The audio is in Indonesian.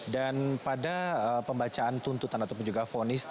dan pada pembacaan tuntutan ataupun juga fonis tadi